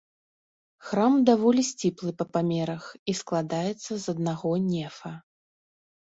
Храм даволі сціплы па памерах і складаецца з аднаго нефа.